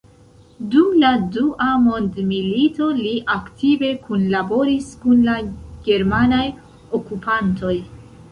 Dum la Dua Mondmilito li aktive kunlaboris kun la germanaj okupantoj.